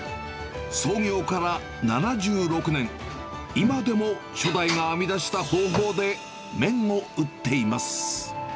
創業から７６年、今でも初代が編み出した方法で麺を打っています。